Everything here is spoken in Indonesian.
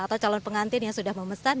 atau calon pengantin yang sudah memesan